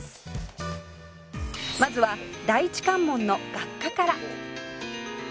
「まずは第一関門の学科から」